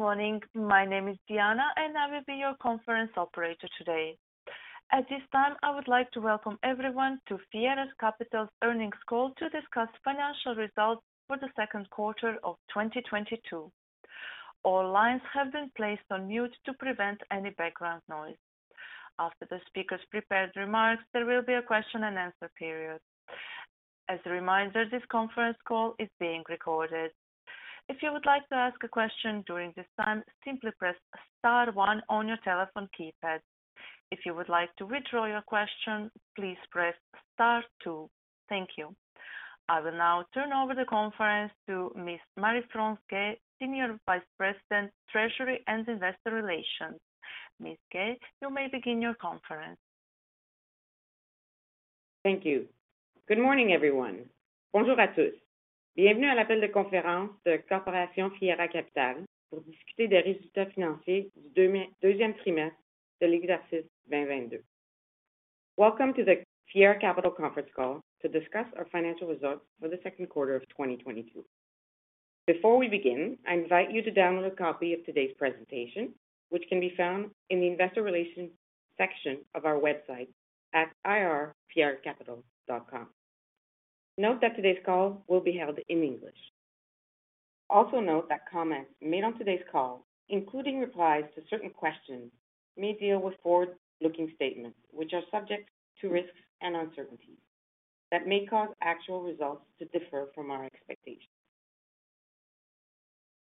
Good morning. My name is Diana, and I will be your conference operator today. At this time, I would like to welcome everyone to Fiera Capital's earnings call to discuss financial results for the second quarter of 2022. All lines have been placed on mute to prevent any background noise. After the speakers' prepared remarks, there will be a question and answer period. As a reminder, this conference call is being recorded. If you would like to ask a question during this time, simply press star one on your telephone keypad. If you would like to withdraw your question, please press star two. Thank you. I will now turn over the conference to Ms. Marie-France Guay, Senior Vice President, Treasury and Investor Relations. Ms. Guay, you may begin your conference. Thank you. Good morning, everyone. Bonjour à tous. Bienvenue à l'appel de conférence de Fiera Capital Corporation pour discuter des résultats financiers du deuxième trimestre de l'exercice 2022. Welcome to the Fiera Capital conference call to discuss our financial results for the second quarter of 2022. Before we begin, I invite you to download a copy of today's presentation, which can be found in the investor relations section of our website at ir.fieracapital.com. Note that today's call will be held in English. Also note that comments made on today's call, including replies to certain questions, may deal with forward-looking statements which are subject to risks and uncertainties that may cause actual results to differ from our expectations.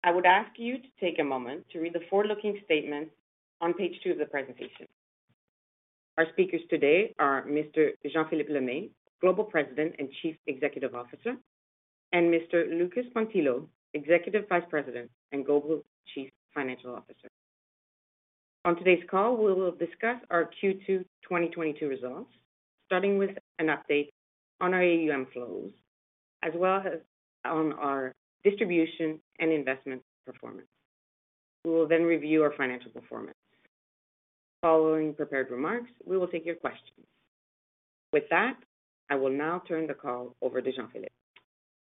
I would ask you to take a moment to read the forward-looking statements on Page 2 of the presentation. Our speakers today are Mr. Jean-Philippe Lemay, Global President and Chief Executive Officer, and Mr. Lucas Pontillo, Executive Vice President and Global Chief Financial Officer. On today's call, we will discuss our Q2 2022 results, starting with an update on our AUM flows, as well as on our distribution and investment performance. We will then review our financial performance. Following prepared remarks, we will take your questions. With that, I will now turn the call over to Jean-Philippe.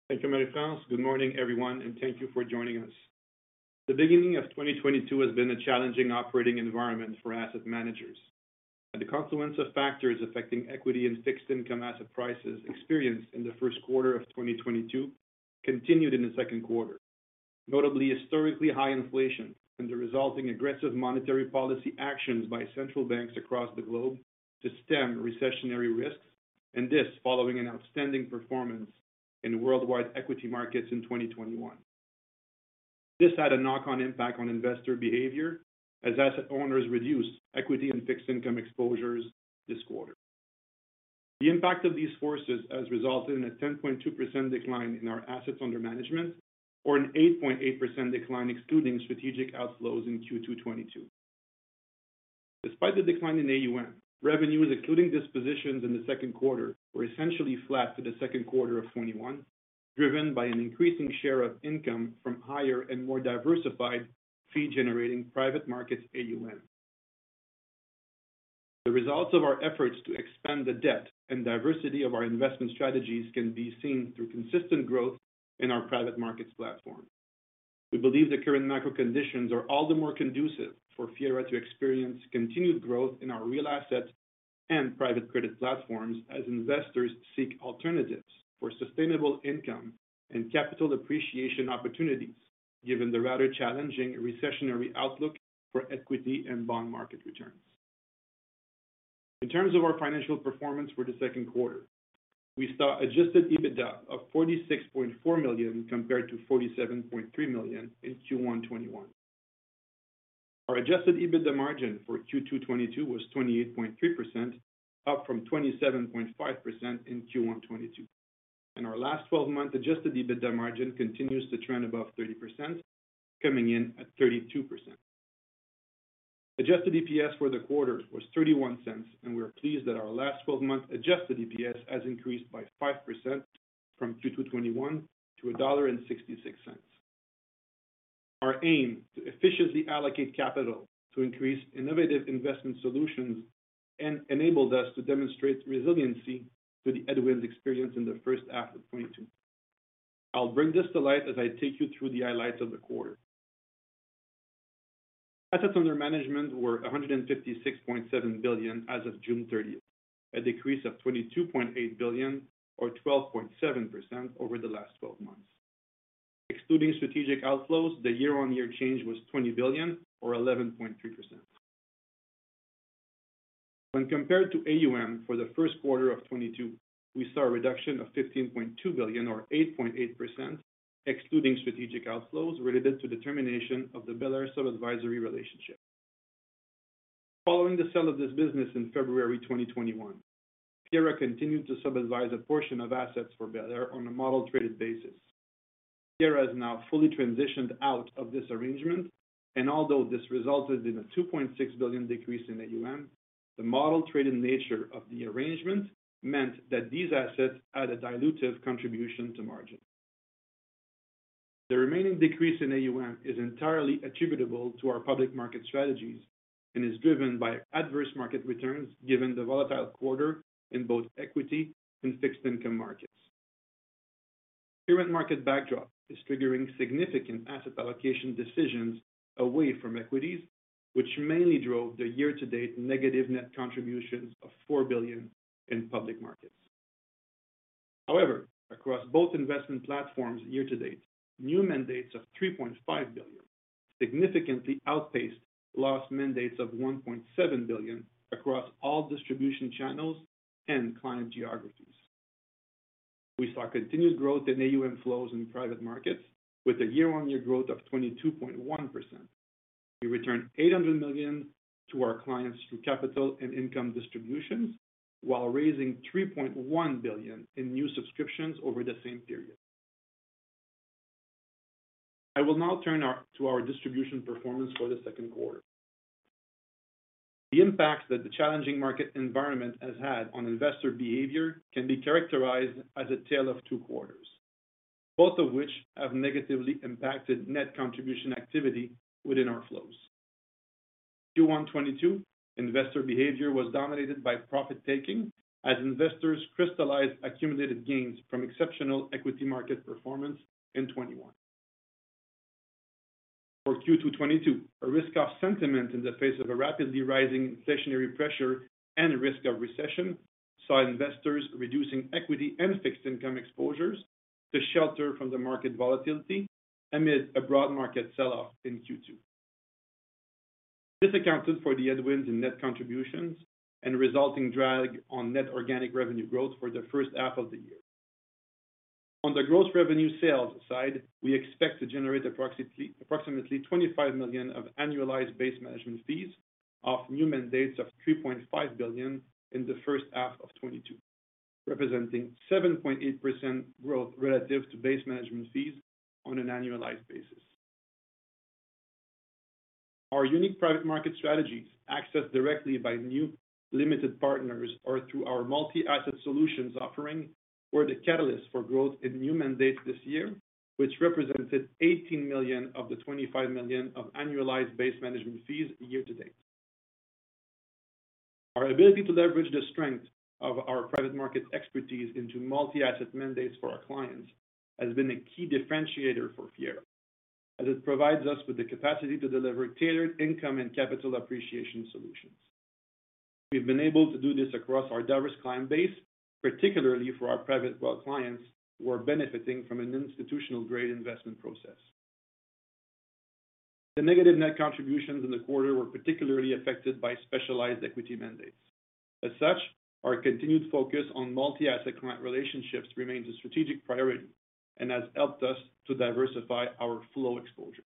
Thank you, Marie-France. Good morning, everyone, and thank you for joining us. The beginning of 2022 has been a challenging operating environment for asset managers, and the confluence of factors affecting equity and fixed income asset prices experienced in the first quarter of 2022 continued in the second quarter, notably historically high inflation and the resulting aggressive monetary policy actions by central banks across the globe to stem recessionary risks, and this following an outstanding performance in worldwide equity markets in 2021. This had a knock-on impact on investor behavior as asset owners reduced equity and fixed income exposures this quarter. The impact of these forces has resulted in a 10.2% decline in our assets under management or an 8.8% decline excluding strategic outflows in Q2 2022. Despite the decline in AUM, revenues including dispositions in the second quarter were essentially flat to the second quarter of 2021, driven by an increasing share of income from higher and more diversified fee-generating private markets AUM. The results of our efforts to expand the depth and diversity of our investment strategies can be seen through consistent growth in our private markets platform. We believe the current macro conditions are all the more conducive for Fiera to experience continued growth in our real assets and private credit platforms as investors seek alternatives for sustainable income and capital appreciation opportunities, given the rather challenging recessionary outlook for equity and bond market returns. In terms of our financial performance for the second quarter, we saw Adjusted EBITDA of 46.4 million compared to 47.3 million in Q1 2021. Our Adjusted EBITDA margin for Q2 2022 was 28.3%, up from 27.5% in Q1 2022. Our last 12-month Adjusted EBITDA margin continues to trend above 30%, coming in at 32%. Adjusted EPS for the quarter was 0.31, and we're pleased that our last 12-month adjusted EPS has increased by 5% from Q2 2021 to 1.66 dollar. Our aim to efficiently allocate capital to increase innovative investment solutions enabled us to demonstrate resiliency to the headwinds experienced in the first half of 2022. I'll bring this to light as I take you through the highlights of the quarter. Assets under management were 156.7 billion as of June 30th, a decrease of 22.8 billion or 12.7% over the last 12 months. Excluding strategic outflows, the year-on-year change was 20 billion or 11.3%. When compared to AUM for the first quarter of 2022, we saw a reduction of 15.2 billion or 8.8% excluding strategic outflows related to the termination of the Bel Air sub-advisory relationship. Following the sale of this business in February 2021, Fiera continued to sub-advise a portion of assets for Bel Air on a model traded basis. Fiera has now fully transitioned out of this arrangement, and although this resulted in a 2.6 billion decrease in AUM, the model traded nature of the arrangement meant that these assets had a dilutive contribution to margin. The remaining decrease in AUM is entirely attributable to our public market strategies and is driven by adverse market returns given the volatile quarter in both equity and fixed income markets. Current market backdrop is triggering significant asset allocation decisions away from equities, which mainly drove the year-to-date negative net contributions of 4 billion in public markets. However, across both investment platforms year-to-date, new mandates of 3.5 billion significantly outpaced lost mandates of 1.7 billion across all distribution channels and client geographies. We saw continued growth in AUM flows in private markets with a year-over-year growth of 22.1%. We returned 800 million to our clients through capital and income distributions while raising 3.1 billion in new subscriptions over the same period. I will now turn to our distribution performance for the second quarter. The impact that the challenging market environment has had on investor behavior can be characterized as a tale of two quarters, both of which have negatively impacted net contribution activity within our flows. Q1 2022 investor behavior was dominated by profit-taking as investors crystallized accumulated gains from exceptional equity market performance in 2021. For Q2 2022, a risk-off sentiment in the face of a rapidly rising inflationary pressure and risk of recession saw investors reducing equity and fixed income exposures to shelter from the market volatility amid a broad market sell-off in Q2. This accounted for the headwinds in net contributions and resulting drag on net organic revenue growth for the first half of the year. On the gross revenue sales side, we expect to generate approximately 25 million of annualized base management fees off new mandates of 3.5 billion in the first half of 2022, representing 7.8% growth relative to base management fees on an annualized basis. Our unique private market strategies, accessed directly by new limited partners or through our multi-asset solutions offering, were the catalyst for growth in new mandates this year, which represented 18 million of the 25 million of annualized base management fees year-to-date. Our ability to leverage the strength of our private markets expertise into multi-asset mandates for our clients has been a key differentiator for Fiera, as it provides us with the capacity to deliver tailored income and capital appreciation solutions. We've been able to do this across our diverse client base, particularly for our private wealth clients who are benefiting from an institutional-grade investment process. The negative net contributions in the quarter were particularly affected by specialized equity mandates. As such, our continued focus on multi-asset client relationships remains a strategic priority and has helped us to diversify our flow exposure.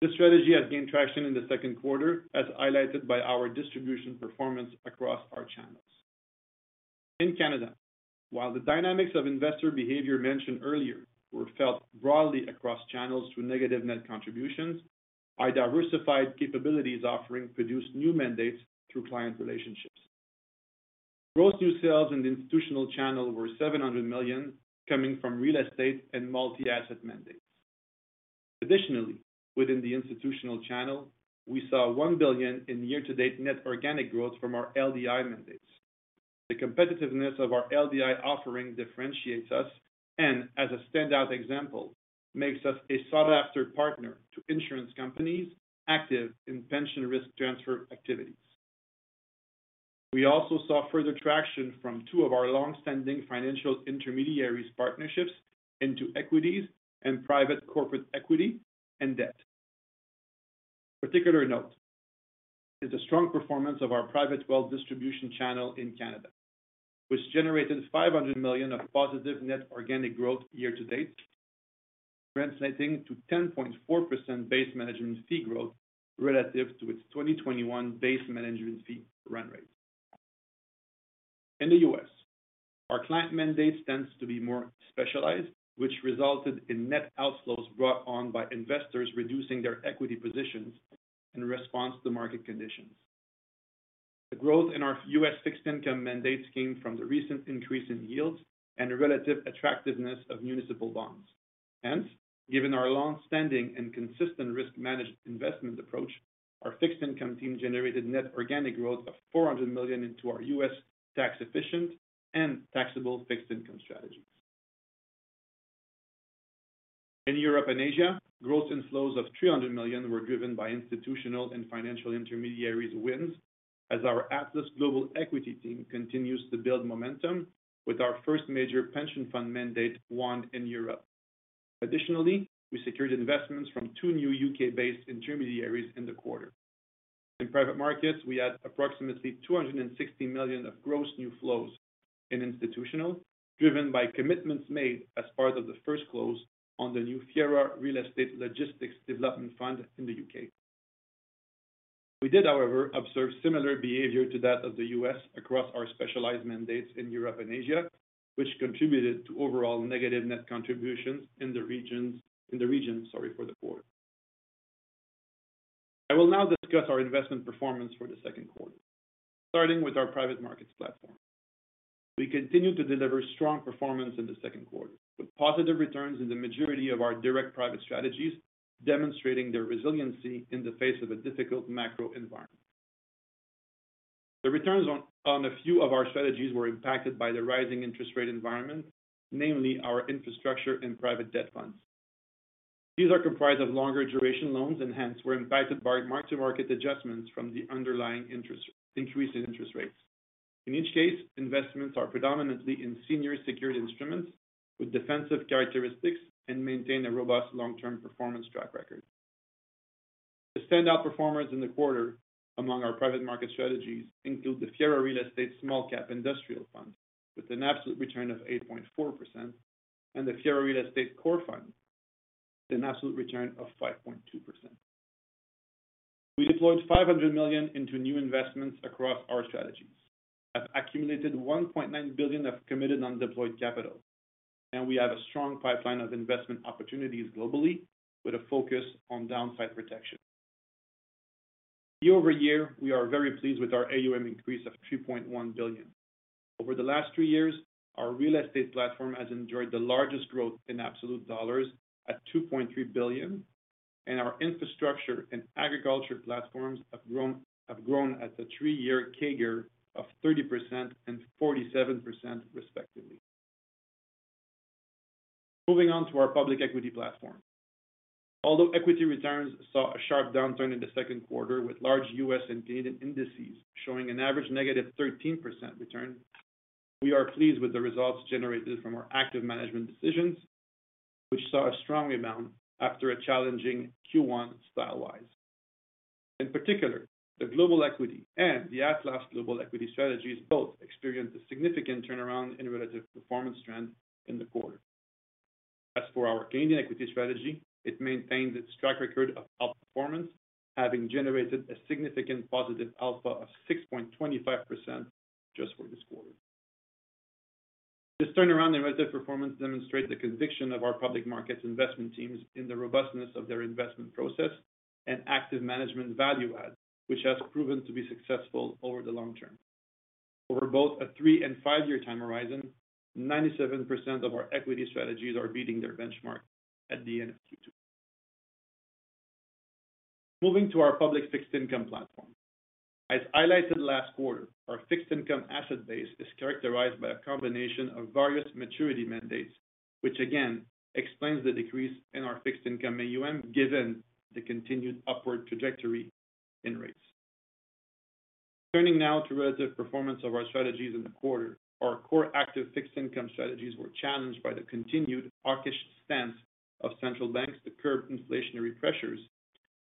This strategy has gained traction in the second quarter, as highlighted by our distribution performance across our channels. In Canada, while the dynamics of investor behavior mentioned earlier were felt broadly across channels through negative net contributions, our diversified capabilities offering produced new mandates through client relationships. Gross new sales in the institutional channel were 700 million coming from real estate and multi-asset mandates. Additionally, within the institutional channel, we saw 1 billion in year-to-date net organic growth from our LDI mandates. The competitiveness of our LDI offering differentiates us and, as a standout example, makes us a sought-after partner to insurance companies active in pension risk transfer activities. We also saw further traction from two of our long-standing financial intermediaries partnerships into equities and private corporate equity and debt. Particular note is the strong performance of our private wealth distribution channel in Canada, which generated 500 million of positive net organic growth year-to-date, translating to 10.4% base management fee growth relative to its 2021 base management fee run rate. In the U.S., our client mandate tends to be more specialized, which resulted in net outflows brought on by investors reducing their equity positions in response to market conditions. The growth in our U.S. fixed income mandate came from the recent increase in yields and relative attractiveness of municipal bonds. Hence, given our long-standing and consistent risk managed investment approach, our fixed income team generated net organic growth of 400 million into our U.S. tax efficient and taxable fixed income strategies. In Europe and Asia, gross inflows of 300 million were driven by institutional and financial intermediaries wins as our Atlas Global Equity team continues to build momentum with our first major pension fund mandate won in Europe. Additionally, we secured investments from two new U.K.-based intermediaries in the quarter. In private markets, we had approximately 260 million of gross new flows in institutional, driven by commitments made as part of the first close on the new Fiera Real Estate Logistics Development Fund U.K. We did, however, observe similar behavior to that of the U.S. across our specialized mandates in Europe and Asia, which contributed to overall negative net contributions in the regions, sorry, for the quarter. I will now discuss our investment performance for the second quarter, starting with our private markets platform. We continued to deliver strong performance in the second quarter, with positive returns in the majority of our direct private strategies, demonstrating their resiliency in the face of a difficult macro environment. The returns on a few of our strategies were impacted by the rising interest rate environment, namely our infrastructure and private debt funds. These are comprised of longer duration loans and hence were impacted by mark-to-market adjustments from the underlying interest, increased interest rates. In each case, investments are predominantly in senior secured instruments with defensive characteristics and maintain a robust long-term performance track record. The standout performers in the quarter among our private market strategies include the Fiera Real Estate Small Cap Industrial Fund, with an absolute return of 8.4%, and the Fiera Real Estate CORE Fund with an absolute return of 5.2%. We deployed 500 million into new investments across our strategies. We have accumulated 1.9 billion of committed undeployed capital, and we have a strong pipeline of investment opportunities globally with a focus on downside protection. Year-over-year, we are very pleased with our AUM increase of 3.1 billion. Over the last three years, our real estate platform has enjoyed the largest growth in absolute dollars at 2.3 billion, and our infrastructure and agriculture platforms have grown at a three-year CAGR of 30% and 47% respectively. Moving on to our public equity platform. Although equity returns saw a sharp downturn in the second quarter, with large U.S. and Canadian indices showing an average negative 13% return, we are pleased with the results generated from our active management decisions, which saw a strong rebound after a challenging Q1 style-wise. In particular, the global equity and the Atlas Global Equity strategies both experienced a significant turnaround in relative performance trend in the quarter. As for our Canadian equity strategy, it maintained its track record of outperformance, having generated a significant positive alpha of 6.25% just for this quarter. This turnaround in relative performance demonstrates the conviction of our public markets investment teams in the robustness of their investment process and active management value add, which has proven to be successful over the long term. Over both a three and five-year time horizon, 97% of our equity strategies are beating their benchmark at the end of Q2. Moving to our public fixed income platform. As highlighted last quarter, our fixed income asset base is characterized by a combination of various maturity mandates, which again explains the decrease in our fixed income AUM given the continued upward trajectory in rates. Turning now to relative performance of our strategies in the quarter. Our core active fixed income strategies were challenged by the continued hawkish stance of central banks to curb inflationary pressures,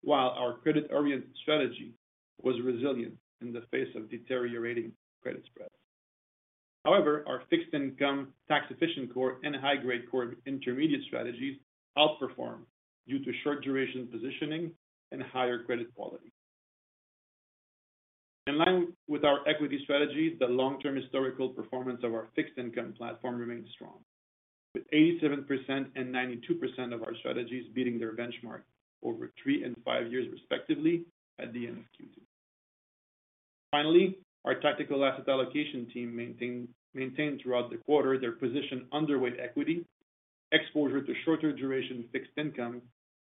while our credit-oriented strategy was resilient in the face of deteriorating credit spreads. However, our fixed income tax efficient core and high grade core intermediate strategies outperformed due to short duration positioning and higher credit quality. In line with our equity strategies, the long-term historical performance of our fixed income platform remains strong, with 87% and 92% of our strategies beating their benchmark over three and five years respectively at the end of Q2. Finally, our tactical asset allocation team maintained throughout the quarter their position underweight equity, exposure to shorter duration fixed income,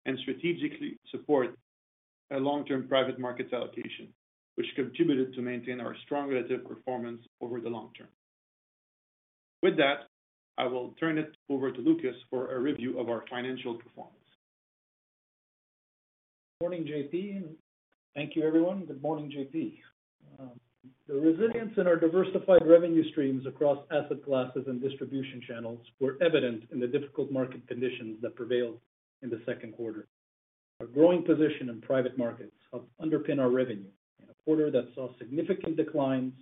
and strategically support a long-term private markets allocation, which contributed to maintain our strong relative performance over the long term. With that, I will turn it over to Lucas for a review of our financial performance. Morning, JP. Thank you everyone. Good morning, JP. The resilience in our diversified revenue streams across asset classes and distribution channels were evident in the difficult market conditions that prevailed in the second quarter. A growing position in private markets helped underpin our revenue in a quarter that saw significant declines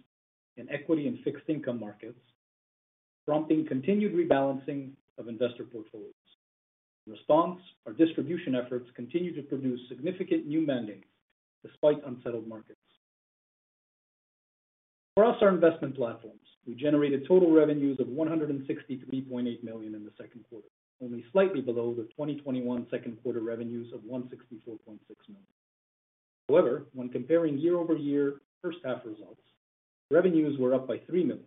in equity and fixed income markets, prompting continued rebalancing of investor portfolios. In response, our distribution efforts continue to produce significant new mandates despite unsettled markets. For us, our investment platforms, we generated total revenues of 163.8 million in the second quarter, only slightly below the 2021 second quarter revenues of 164.6 million. However, when comparing year-over-year first half results, revenues were up by 3 million,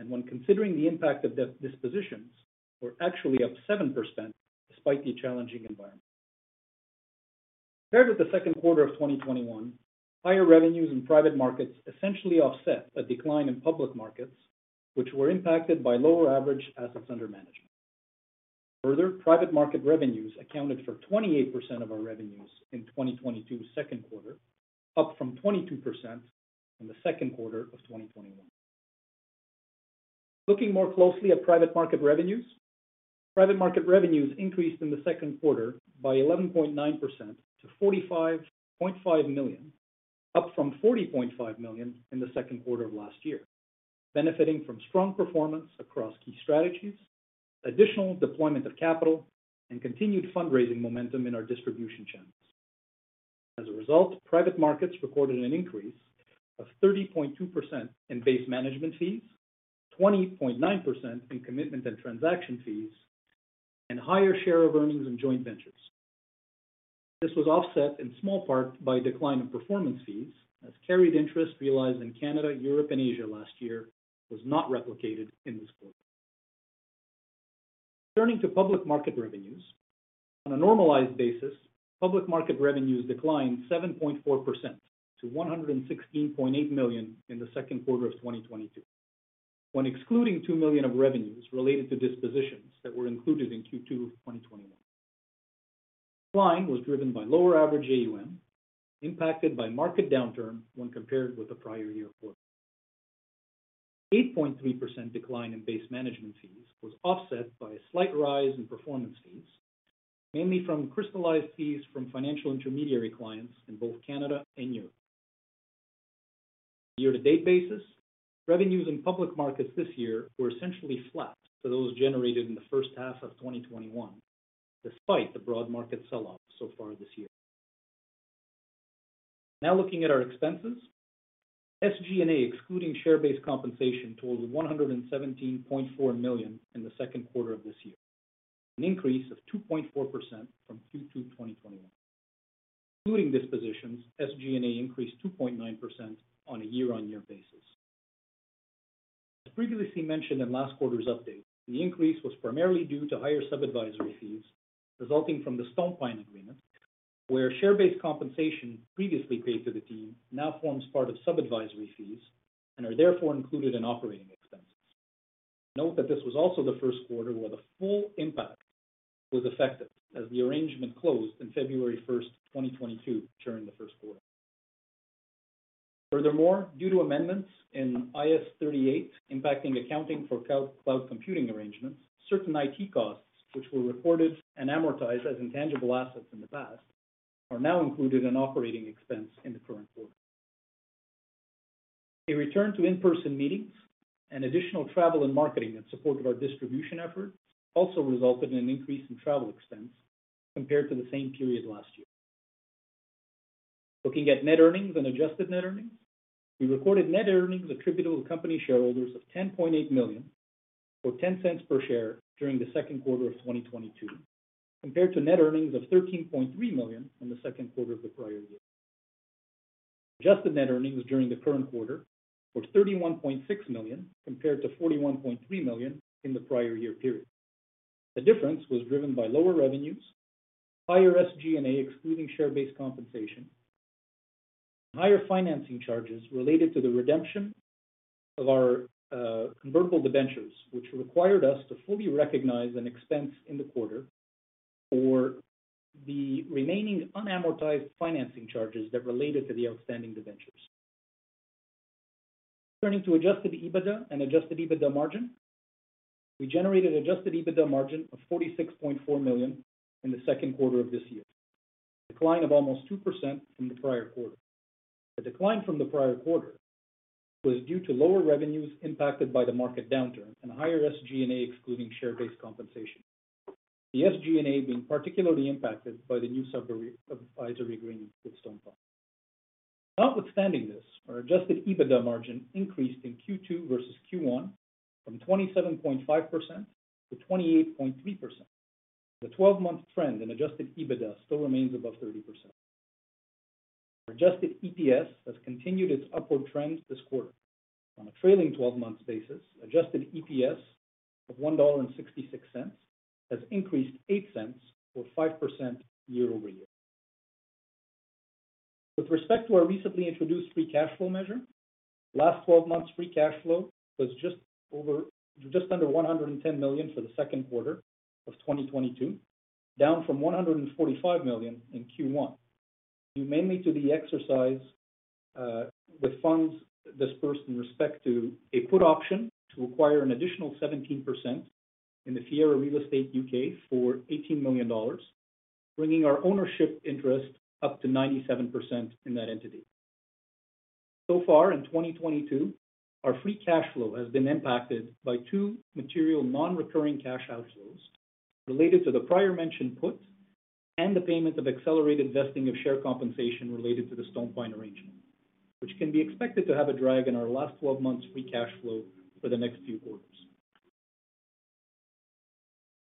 and when considering the impact of debt dispositions, were actually up 7% despite the challenging environment. Compared with the second quarter of 2021, higher revenues in private markets essentially offset a decline in public markets, which were impacted by lower average assets under management. Further, private market revenues accounted for 28% of our revenues in 2022 second quarter, up from 22% in the second quarter of 2021. Looking more closely at private market revenues. Private market revenues increased in the second quarter by 11.9% to 45.5 million, up from 40.5 million in the second quarter of last year, benefiting from strong performance across key strategies, additional deployment of capital, and continued fundraising momentum in our distribution channels. As a result, private markets recorded an increase of 30.2% in base management fees, 20.9% in commitment and transaction fees, and higher share of earnings and joint ventures. This was offset in small part by a decline in performance fees, as carried interest realized in Canada, Europe, and Asia last year was not replicated in this quarter. Turning to public market revenues. On a normalized basis, public market revenues declined 7.4% to 116.8 million in the second quarter of 2022. When excluding 2 million of revenues related to dispositions that were included in Q2 of 2021. Decline was driven by lower average AUM impacted by market downturn when compared with the prior year quarter. 8.3% decline in base management fees was offset by a slight rise in performance fees, mainly from crystallized fees from financial intermediary clients in both Canada and Europe. Year-to-date basis, revenues in public markets this year were essentially flat for those generated in the first half of 2021, despite the broad market sell-off so far this year. Now looking at our expenses. SG&A, excluding share-based compensation, totaled 117.4 million in the second quarter of this year, an increase of 2.4% from Q2 2021. Including dispositions, SG&A increased 2.9% on a year-on-year basis. As previously mentioned in last quarter's update, the increase was primarily due to higher sub-advisory fees resulting from the StonePine agreement, where share-based compensation previously paid to the team now forms part of sub-advisory fees and are therefore included in operating expenses. Note that this was also the first quarter where the full impact was effective as the arrangement closed in February 1st, 2022 during the first quarter. Furthermore, due to amendments in IAS 38 impacting accounting for cloud computing arrangements, certain IT costs which were reported and amortized as intangible assets in the past, are now included in operating expense in the current quarter. A return to in-person meetings and additional travel and marketing in support of our distribution efforts also resulted in an increase in travel expense compared to the same period last year. Looking at net earnings and adjusted net earnings. We recorded net earnings attributable to company shareholders of 10.8 million, or 10 cents per share during the second quarter of 2022, compared to net earnings of 13.3 million in the second quarter of the prior year. Adjusted net earnings during the current quarter was 31.6 million compared to 41.3 million in the prior year period. The difference was driven by lower revenues, higher SG&A excluding share-based compensation, and higher financing charges related to the redemption of our convertible debentures, which required us to fully recognize an expense in the quarter for the remaining unamortized financing charges that related to the outstanding debentures. Turning to Adjusted EBITDA and Adjusted EBITDA margin. We generated Adjusted EBITDA margin of 46.4 million in the second quarter of this year, a decline of almost 2% from the prior quarter. The decline from the prior quarter was due to lower revenues impacted by the market downturn and higher SG&A excluding share-based compensation. The SG&A being particularly impacted by the new sub-advisory agreement with StonePine. Notwithstanding this, our Adjusted EBITDA margin increased in Q2 versus Q1 from 27.5% to 28.3%. The 12-month trend in Adjusted EBITDA still remains above 30%. Adjusted EPS has continued its upward trend this quarter. On a trailing twelve months basis, adjusted EPS of 1.66 dollar has increased 0.8 or 5% year-over-year. With respect to our recently introduced free cash flow measure, last twelve months free cash flow was just under 110 million for the second quarter of 2022, down from 145 million in Q1. Due mainly to the exercise with funds disbursed in respect to a put option to acquire an additional 17% in the Fiera Real Estate U.K. for 18 million dollars, bringing our ownership interest up to 97% in that entity. Far in 2022, our free cash flow has been impacted by two material non-recurring cash outflows related to the prior mentioned put and the payment of accelerated vesting of share compensation related to the StonePine arrangement, which can be expected to have a drag in our last twelve months free cash flow for the next few quarters.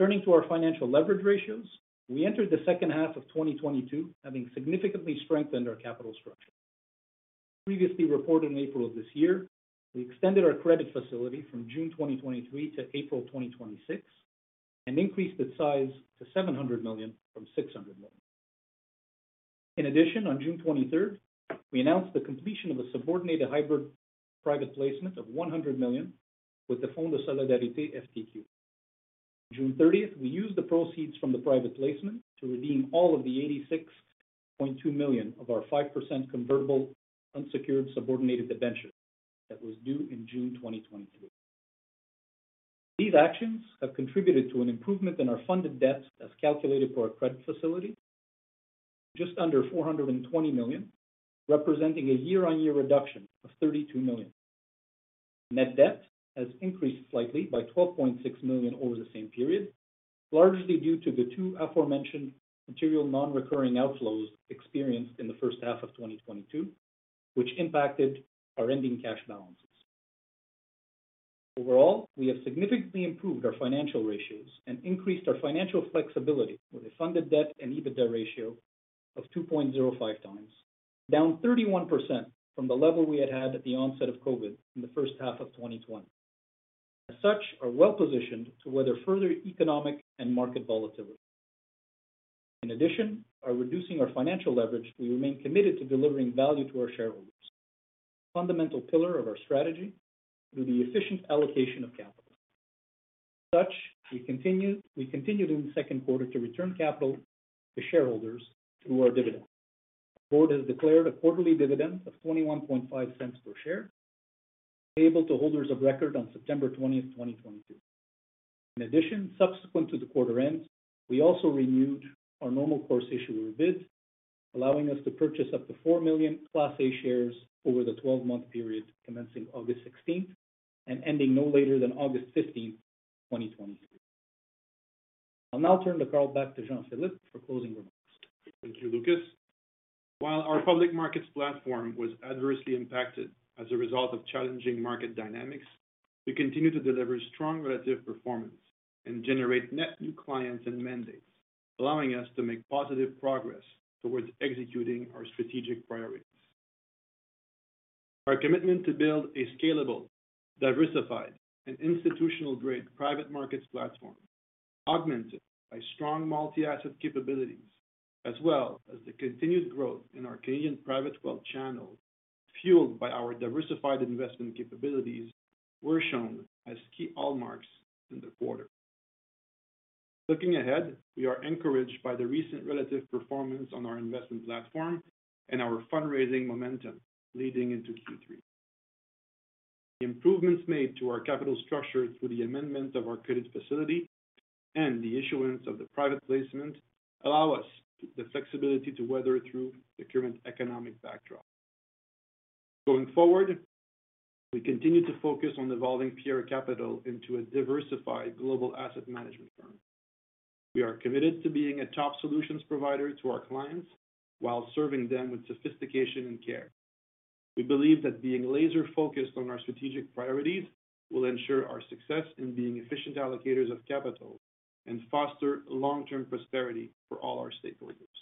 Turning to our financial leverage ratios. We entered the second half of 2022 having significantly strengthened our capital structure. Previously reported in April of this year, we extended our credit facility from June 2023 to April 2026 and increased its size to 700 million from 600 million. In addition, on June 23rd, we announced the completion of a subordinated hybrid private placement of 100 million with the Fonds de solidarité FTQ. June 30, we used the proceeds from the private placement to redeem all of the 86.2 million of our 5% convertible unsecured subordinated debentures that was due in June 2023. These actions have contributed to an improvement in our funded debt as calculated for our credit facility to just under 420 million, representing a year-on-year reduction of 32 million. Net debt has increased slightly by 12.6 million over the same period, largely due to the two aforementioned material non-recurring outflows experienced in the first half of 2022, which impacted our ending cash balances. Overall, we have significantly improved our financial ratios and increased our financial flexibility with a funded debt and EBITDA ratio of 2.05x, down 31% from the level we had had at the onset of COVID in the first half of 2020. As such, we are well-positioned to weather further economic and market volatility. In addition, by reducing our financial leverage, we remain committed to delivering value to our shareholders. A fundamental pillar of our strategy is the efficient allocation of capital. As such, we continued in the second quarter to return capital to shareholders through our dividend. The Board has declared a quarterly dividend of 0.215 per share, payable to holders of record on September 20th, 2022. In addition, subsequent to the quarter end, we also renewed our normal course issuer bid, allowing us to purchase up to 4 million Class A shares over the 12-month period commencing August 16th and ending no later than August 15th, 2023. I'll now turn the call back to Jean-Philippe for closing remarks. Thank you, Lucas. While our public markets platform was adversely impacted as a result of challenging market dynamics, we continue to deliver strong relative performance and generate net new clients and mandates, allowing us to make positive progress towards executing our strategic priorities. Our commitment to build a scalable, diversified and institutional-grade private markets platform, augmented by strong multi-asset capabilities as well as the continued growth in our Canadian private wealth channel, fueled by our diversified investment capabilities, were shown as key hallmarks in the quarter. Looking ahead, we are encouraged by the recent relative performance on our investment platform and our fundraising momentum leading into Q3. The improvements made to our capital structure through the amendment of our credit facility and the issuance of the private placement allow us the flexibility to weather through the current economic backdrop. Going forward, we continue to focus on evolving Fiera Capital into a diversified global asset management firm. We are committed to being a top solutions provider to our clients while serving them with sophistication and care. We believe that being laser-focused on our strategic priorities will ensure our success in being efficient allocators of capital and foster long-term prosperity for all our stakeholders.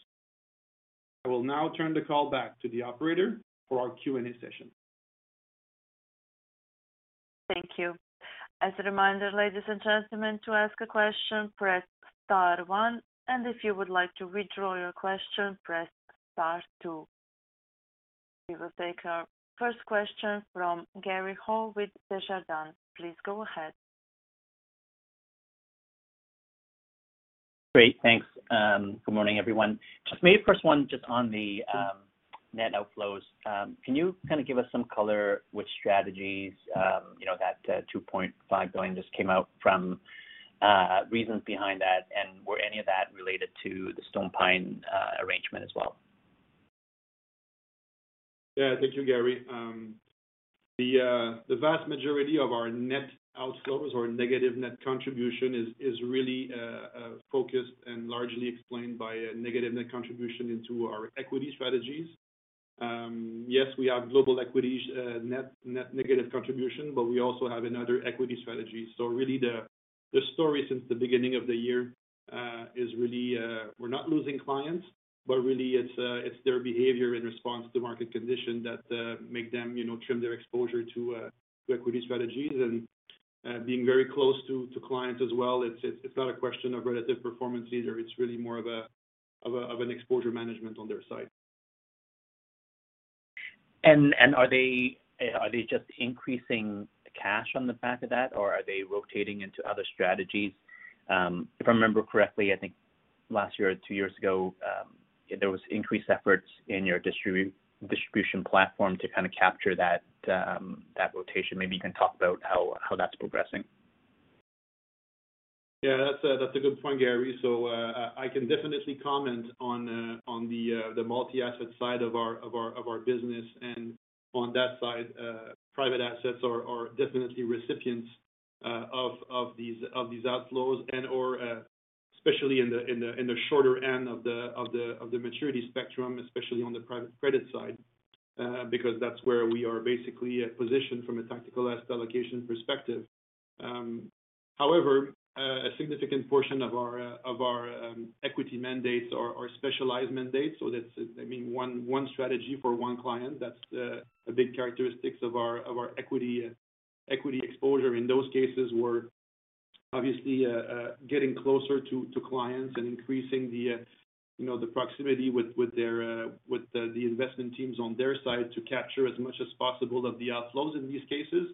I will now turn the call back to the operator for our Q&A session. Thank you. As a reminder, ladies and gentlemen, to ask a question, press star one, and if you would like to withdraw your question, press star two. We will take our first question from Gary Ho with Desjardins. Please go ahead. Great. Thanks. Good morning, everyone. Just maybe first one, just on the net outflows. Can you kind of give us some color which strategies you know that 2.5 billion just came out from, reasons behind that, and were any of that related to the StonePine arrangement as well? Yeah. Thank you, Gary. The vast majority of our net outflows or negative net contribution is really focused and largely explained by a negative net contribution into our equity strategies. Yes, we have global equities net negative contribution, but we also have another equity strategy. Really the story since the beginning of the year is really we're not losing clients, but really it's their behavior in response to market condition that make them, you know, trim their exposure to equity strategies and being very close to clients as well. It's not a question of relative performance either. It's really more of an exposure management on their side. Are they just increasing cash on the back of that, or are they rotating into other strategies? If I remember correctly, I think last year or two years ago, there was increased efforts in your distribution platform to kind of capture that rotation. Maybe you can talk about how that's progressing. Yeah. That's a good point, Gary. I can definitely comment on the multi-asset side of our business. On that side, private assets are definitely recipients of these outflows and/or, especially in the shorter end of the maturity spectrum, especially on the private credit side, because that's where we are basically positioned from a tactical asset allocation perspective. However, a significant portion of our equity mandates are specialized mandates. That's. I mean, one strategy for one client. That's a big characteristic of our equity exposure. In those cases, we're obviously getting closer to clients and increasing, you know, the proximity with their investment teams on their side to capture as much as possible of the outflows in these cases.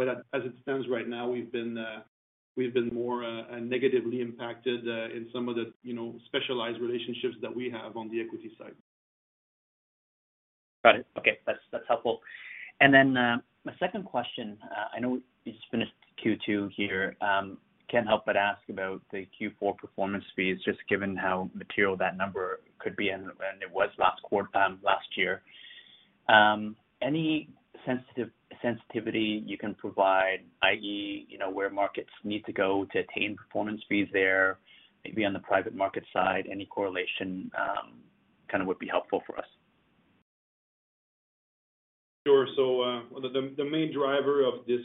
As it stands right now, we've been more negatively impacted in some of the, you know, specialized relationships that we have on the equity side. Got it. Okay. That's helpful. Then my second question, I know you just finished Q2 here. Can't help but ask about the Q4 performance fees, just given how material that number could be and it was last quarter last year. Any sensitivity you can provide, i.e., you know, where markets need to go to attain performance fees there, maybe on the private market side, any correlation kind of would be helpful for us. Sure. The main driver of this,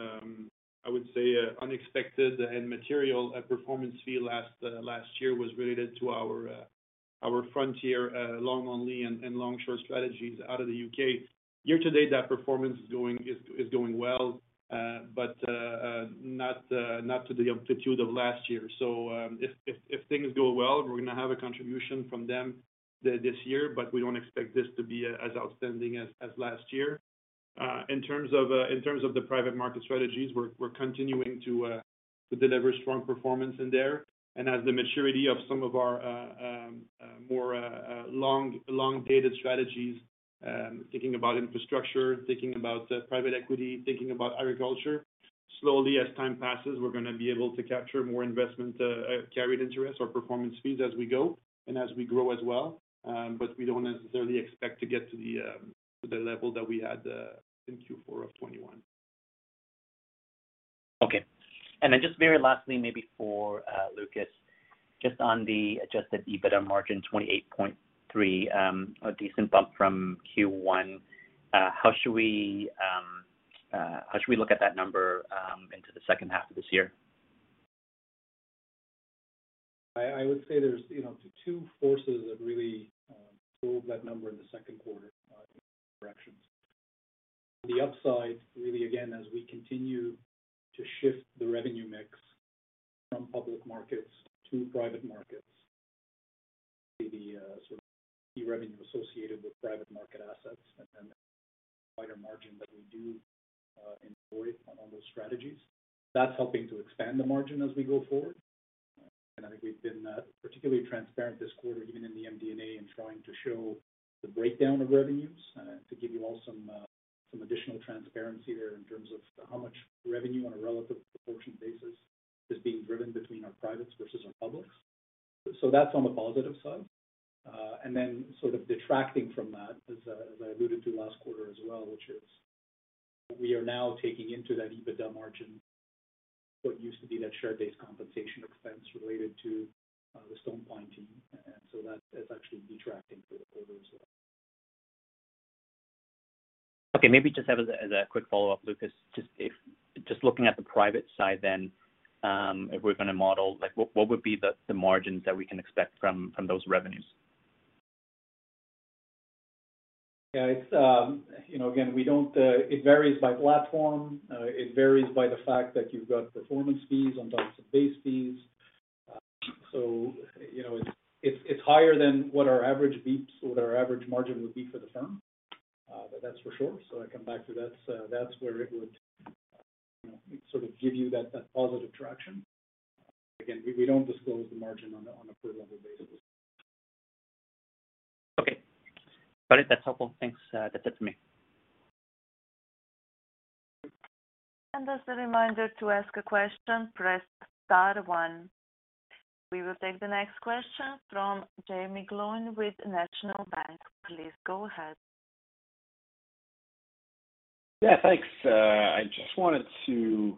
I would say, unexpected and material performance fee last year was related to our Frontier long-only and long short strategies out of the U.K. Year-to-date, that performance is doing well, but not to the amplitude of last year. If things go well, we're gonna have a contribution from them this year, but we don't expect this to be as outstanding as last year. In terms of the private market strategies, we're continuing to deliver strong performance in there. As the maturity of some of our more long-dated strategies, thinking about infrastructure, thinking about private equity, thinking about agriculture, slowly as time passes, we're gonna be able to capture more investment carried interest or performance fees as we go and as we grow as well. But we don't necessarily expect to get to the level that we had in Q4 of 2021. Okay. Just very lastly, maybe for Lucas, just on the Adjusted EBITDA margin, 28.3%, a decent bump from Q1. How should we look at that number into the second half of this year? I would say there's, you know, two forces that really drove that number in the second quarter in different directions. The upside, really, again, as we continue to shift the revenue mix from public markets to private markets, the sort of key revenue associated with private market assets and then wider margin that we do employ on those strategies. That's helping to expand the margin as we go forward. I think we've been particularly transparent this quarter, even in the MD&A, in trying to show the breakdown of revenues to give you all some some additional transparency there in terms of how much revenue on a relative proportion basis is being driven between our privates versus our publics. That's on the positive side. sort of detracting from that, as I alluded to last quarter as well, which is we are now taking into that EBITDA margin, what used to be that share-based compensation expense related to the StonePine team. That is actually detracting for the quarter as well. Okay, maybe just as a quick follow-up, Lucas, just looking at the private side then, if we're gonna model, like, what would be the margins that we can expect from those revenues? Yeah. It's, you know, it varies by platform. It varies by the fact that you've got performance fees on top of some base fees. You know, it's higher than what our average bps or what our average margin would be for the firm. That's for sure. I come back to that's where it would, you know, sort of give you that positive traction. Again, we don't disclose the margin on a per level basis. Okay. Got it. That's helpful. Thanks. That's it for me. As a reminder, to ask a question, press star one. We will take the next question from Jaeme Gloyn with National Bank. Please go ahead. Yeah, thanks. I just wanted to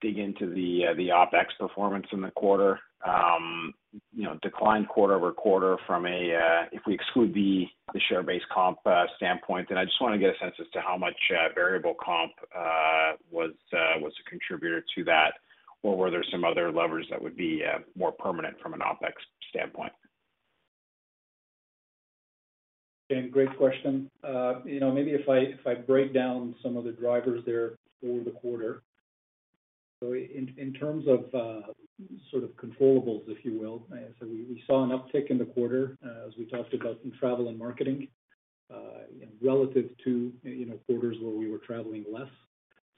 dig into the OpEx performance in the quarter. You know, declined quarter-over-quarter from a standpoint if we exclude the share-based comp. I just want to get a sense as to how much variable comp was a contributor to that, or were there some other levers that would be more permanent from an OpEx standpoint? Again, great question. You know, maybe if I break down some of the drivers there over the quarter. In terms of sort of controllables, if you will, we saw an uptick in the quarter as we talked about in travel and marketing relative to you know quarters where we were traveling less.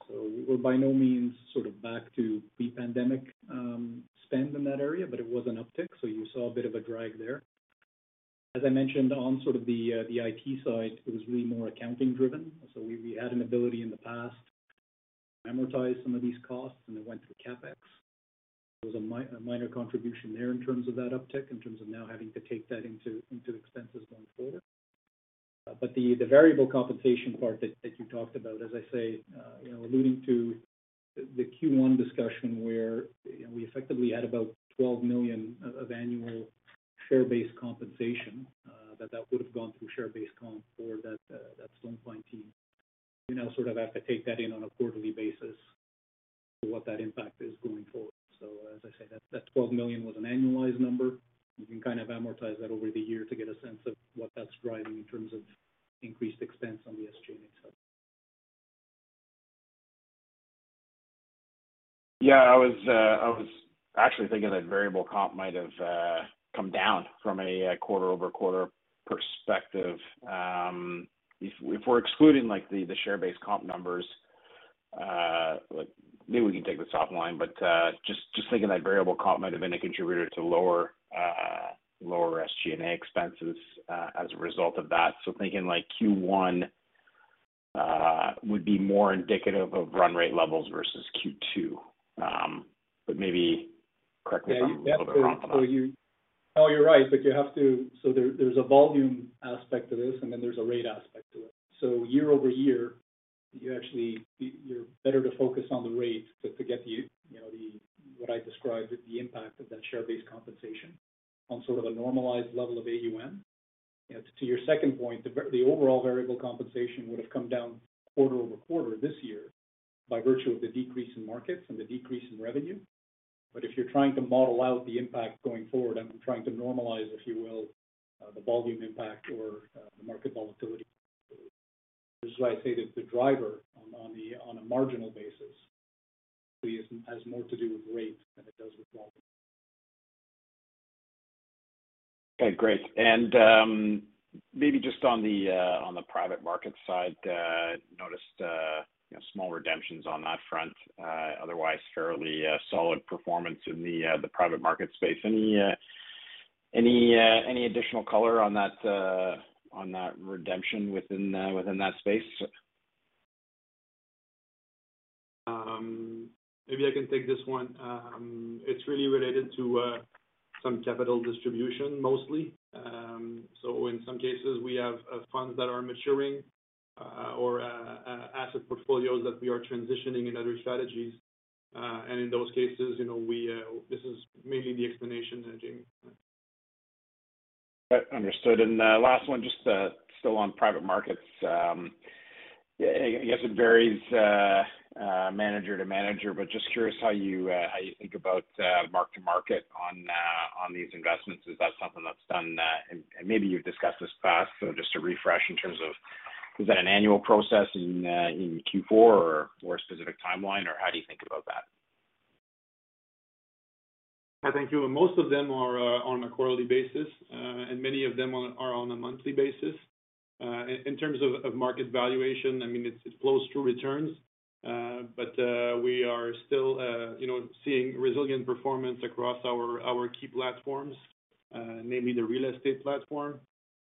We're by no means sort of back to pre-pandemic spend in that area, but it was an uptick. You saw a bit of a drag there. As I mentioned on sort of the IT side, it was really more accounting driven. We had an ability in the past to amortize some of these costs, and they went through CapEx. There was a minor contribution there in terms of that uptick, in terms of now having to take that into expenses going forward. The variable compensation part that you talked about, as I say, you know, alluding to the Q1 discussion where we effectively had about 12 million of annual share-based compensation, that would have gone through share-based comp for that StonePine team. We now sort of have to take that in on a quarterly basis for what that impact is going forward. As I say, that 12 million was an annualized number. You can kind of amortize that over the year to get a sense of what that's driving in terms of increased expense on the SG&A side. Yeah. I was actually thinking that variable comp might have come down from a quarter-over-quarter perspective. If we're excluding, like, the share-based comp numbers, like, maybe we can take this offline, but just thinking that variable comp might have been a contributor to lower SG&A expenses as a result of that. Thinking like Q1 would be more indicative of run rate levels versus Q2. Maybe correct me if I'm a little bit wrong for that. No, you're right, but you have to. There's a volume aspect to this, and then there's a rate aspect to it. Year-over-year, you actually, you're better to focus on the rate to get the, you know, what I described as the impact of that share-based compensation on sort of a normalized level of AUM. To your second point, the overall variable compensation would have come down quarter-over-quarter this year by virtue of the decrease in markets and the decrease in revenue. If you're trying to model out the impact going forward and trying to normalize, if you will, the volume impact or the market volatility. Which is why I say that the driver on a marginal basis has more to do with rate than it does with volume. Okay, great. Maybe just on the private markets side, noticed you know small redemptions on that front, otherwise fairly solid performance in the private market space. Any additional color on that redemption within that space? Maybe I can take this one. It's really related to some capital distribution mostly. In some cases, we have funds that are maturing or asset portfolios that we are transitioning in other strategies. In those cases, you know, we. This is mainly the explanation, Jaeme. Understood. Last one, just still on private markets. I guess it varies, manager to manager, but just curious how you think about mark to market on these investments. Is that something that's done, and maybe you've discussed this past, so just to refresh in terms of is that an annual process in Q4 or specific timeline, or how do you think about that? I think most of them are on a quarterly basis, and many of them are on a monthly basis. In terms of market valuation, I mean, it's close to returns, but we are still you know seeing resilient performance across our key platforms, maybe the real estate platform.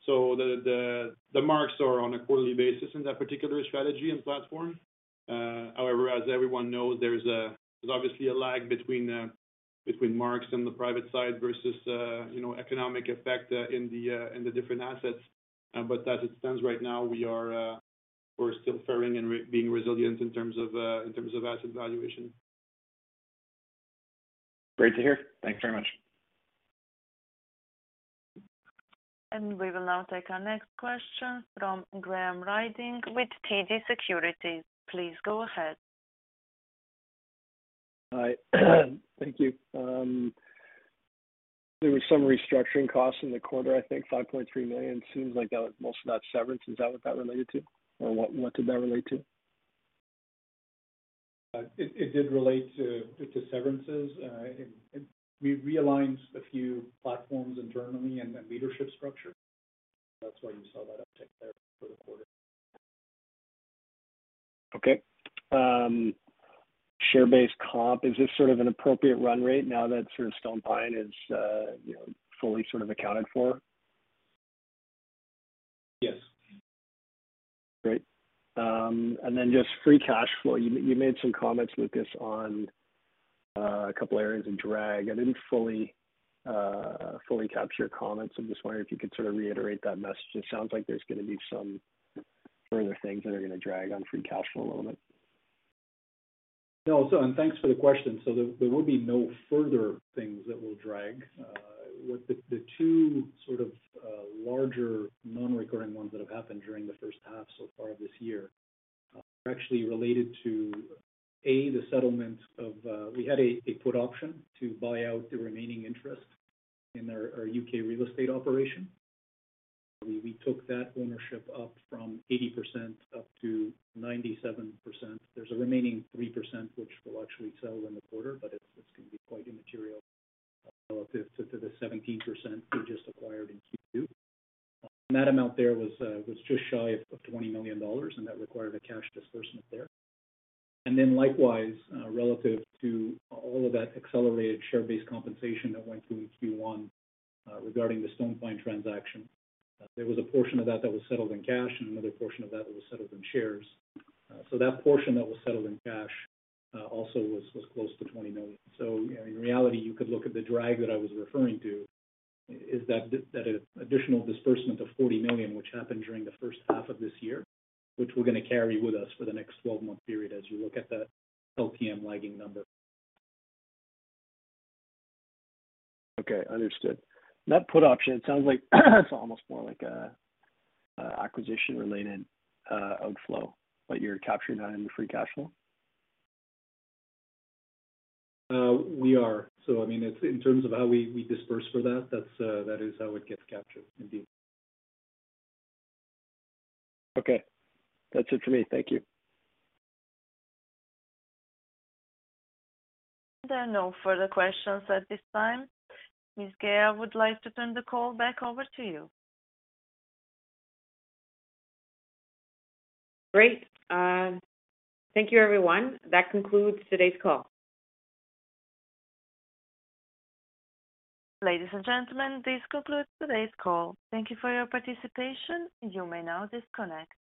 The markets are on a quarterly basis in that particular strategy and platform. However, as everyone knows, there's obviously a lag between markets and the private side versus you know economic effect in the different assets. As it stands right now, we are we're still faring and being resilient in terms of asset valuation. Great to hear. Thank you very much. We will now take our next question from Graham Ryding with TD Securities. Please go ahead. Hi. Thank you. There was some restructuring costs in the quarter. I think 5.3 million. Seems like that was most of that severance. Is that what that related to? Or what did that relate to? It did relate to severances. We realigned a few platforms internally and the leadership structure. That's why you saw that uptick there for the quarter. Okay. Share-based comp, is this sort of an appropriate run rate now that sort of StonePine is, you know, fully sort of accounted for? Yes. Great. Just free cash flow. You made some comments, Lucas, on a couple areas of drag. I didn't fully capture your comments. I'm just wondering if you could sort of reiterate that message. It sounds like there's gonna be some further things that are gonna drag on free cash flow a little bit. No. Thanks for the question. There will be no further things that will drag with the two sort of larger non-recurring ones that have happened during the first half so far this year are actually related to the settlement of a put option we had to buy out the remaining interest in our U.K. real estate operation. We took that ownership up from 80% up to 97%. There's a remaining 3%, which we'll actually sell in the quarter, but it's going to be quite immaterial relative to the 17% we just acquired in Q2. That amount was just shy of 20 million dollars, and that required a cash disbursement there. Likewise, relative to all of that accelerated share-based compensation that went through in Q1, regarding the StonePine transaction, there was a portion of that that was settled in cash and another portion of that that was settled in shares. That portion that was settled in cash also was close to 20 million. In reality, you could look at the drag that I was referring to is that additional disbursement of 40 million, which happened during the first half of this year, which we're going to carry with us for the next twelve-month period as you look at the LTM lagging number. Okay. Understood. That put option, it sounds like it's almost more like a acquisition related outflow, but you're capturing that in the free cash flow? We are. I mean, it's in terms of how we disperse for that's, that is how it gets captured, indeed. Okay. That's it for me. Thank you. There are no further questions at this time. Ms. Guay, I would like to turn the call back over to you. Great. Thank you, everyone. That concludes today's call. Ladies and gentlemen, this concludes today's call. Thank you for your participation. You may now disconnect.